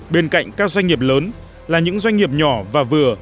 bên cạnh các doanh nghiệp lớn là những doanh nghiệp nhỏ và vừa